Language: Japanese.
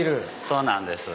そうなんです。